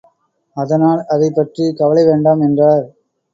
அதனால் அதைப்பற்றிக் கவலை வேண்டாம். என்றார்.